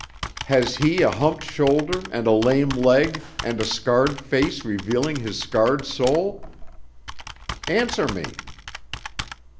Has he a humped shoulder and a lame leg and a scarred face revealing his scarred soul? Answer me."